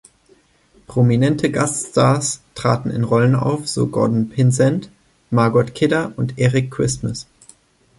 Prominente Gaststars traten in Rollen auf, so Gordon Pinsent, Margot Kidder und Eric Christmas.